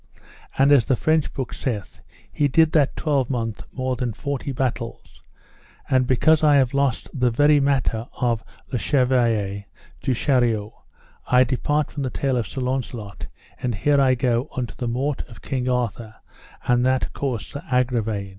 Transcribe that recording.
And as the French book saith, he did that twelvemonth more than forty battles. And because I have lost the very matter of Le Chevaier du Chariot, I depart from the tale of Sir Launcelot, and here I go unto the morte of King Arthur; and that caused Sir Agravaine.